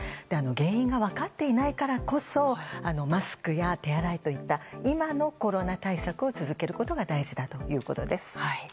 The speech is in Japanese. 原因が分かっていないからこそマスクや手洗いといった今のコロナ対策を続けることが大事だということです。